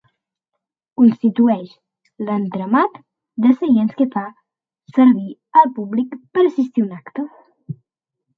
Constitueix l'entramat de seients que fa servir el públic per assistir a un acte.